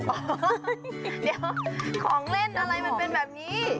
เดี๋ยวของเล่นอะไรมันเป็นแบบนี้